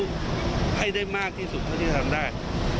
ให้ได้มากที่สุดเท่าที่จะทำได้